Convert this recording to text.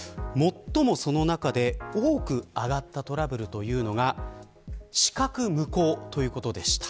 その中で最も多くあがったトラブルが資格無効ということでした。